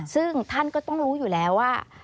ซึ่งท่านก็ต้องรู้อยู่แล้วว่า